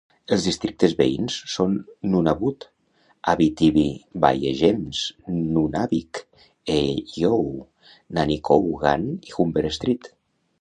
Els districtes veïns són Nunavut, Abitibi-Baie-James-Nunavik-Eeyou, Manicouagan i Humber-St.